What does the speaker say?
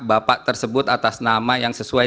bapak tersebut atas nama yang sesuai